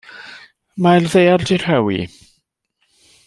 Mae'r ddaear 'di rhewi.